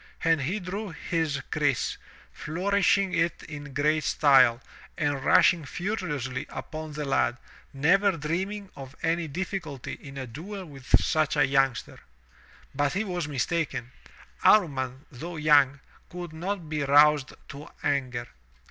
And he drew his kriss, flourishing it in great style, and mshing furiously upon the lad, never dreaming of any diffi culty in a duel with such a youngster. But he was mistaken. Amman, though young, could not be roused to anger.